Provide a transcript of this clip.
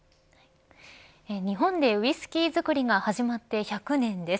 日本でウイスキー造りが始まって１００年です。